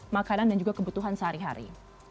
makanan dan juga kebutuhan sehari hari